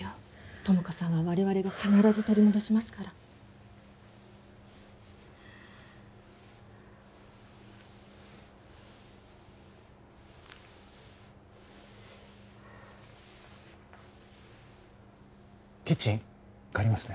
友果さんは我々が必ず取り戻しますからキッチン借りますね